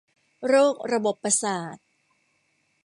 โรคระบบประสาท